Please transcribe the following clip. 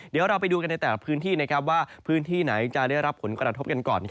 เดี๋ยวเราไปดูกันในแต่ละพื้นที่ว่าพื้นที่ไหนจะได้รับผลกระทบกันก่อน